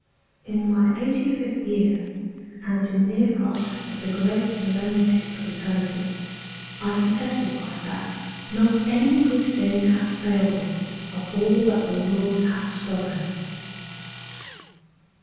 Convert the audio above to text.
"In my eighty fifth year, and in near prospect of the great solemnities of eternity, I can testify that not any good thing hath failed me of all that the Lord hath spoken."